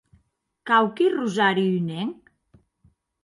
Quauqui rosari unenc?